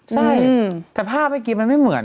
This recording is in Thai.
ใช่แต่ภาพเมื่อกี้มันไม่เหมือน